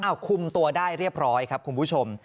คุมตัวได้เรียบร้อยครับคุณผู้ชม